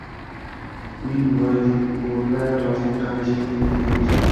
uning murojaatiga ko‘ra, rozilik qanday shaklda berilgan bo‘lsa